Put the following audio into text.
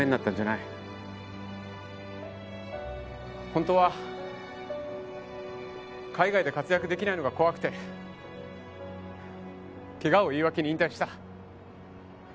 本当は海外で活躍出来ないのが怖くて怪我を言い訳に引退した。